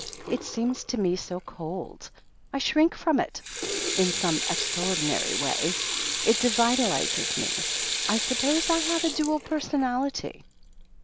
It seems to me so cold. I shrink from it, in some extraordinary way. It de vitalizes me. I suppose I have a dual personality."